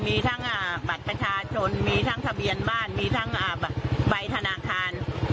มีทั้งบัตรประชาชนมีทั้งทะเบียนบ้านมีทั้งใบธนาคาร